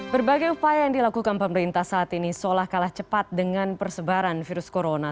berbagai upaya yang dilakukan pemerintah saat ini seolah kalah cepat dengan persebaran virus corona